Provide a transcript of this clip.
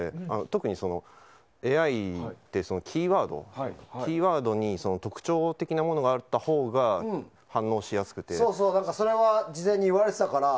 特にＡＩって、キーワードに特徴的なものがあったほうがそうそうそれは事前に言われてたから。